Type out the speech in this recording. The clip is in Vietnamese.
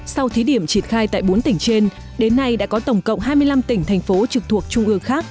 sau thí điểm triển khai tại bốn tỉnh trên đến nay đã có tổng cộng hai mươi năm tỉnh thành phố trực thuộc trung ương khác